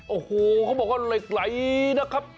โอ้โหเขาบอกว่าเหล็กไหลนะครับ